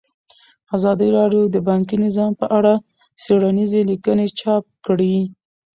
ازادي راډیو د بانکي نظام په اړه څېړنیزې لیکنې چاپ کړي.